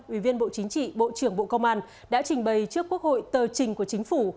ủy viên bộ chính trị bộ trưởng bộ công an đã trình bày trước quốc hội tờ trình của chính phủ